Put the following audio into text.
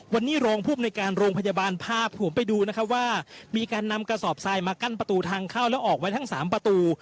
วันนี้รองภูมิในการโรงพยาบาลพาผมไปดูนะครับว่ามีการนำกระสอบทรายมากั้นประตูทางเข้าแล้วออกไว้ทั้ง๓ประตู